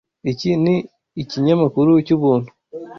Iki ni ikinyamakuru cyubuntu.